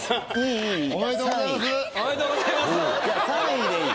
おめでとうございます。